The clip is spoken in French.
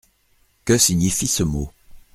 Que signifie ce mot ?